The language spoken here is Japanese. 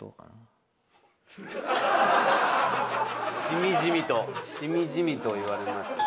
しみじみとしみじみと言われました。